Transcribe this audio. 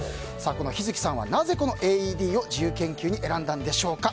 この陽月さんはなぜこのＡＥＤを自由研究に選んだんでしょうか。